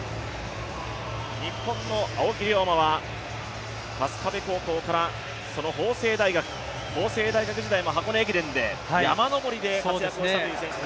日本の青木涼真は春日部高校から法政大学法政大学時代も箱根駅伝で山登りで活躍した選手です。